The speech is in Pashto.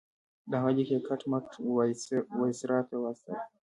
د هغه لیک یې کټ مټ وایسرا ته واستاوه.